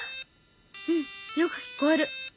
うんよく聞こえる。